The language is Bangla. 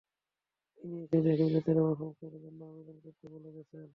তিনি এসে দেখে গেছেন এবং সংস্কারের জন্য আবেদন করতে বলে গেছেন।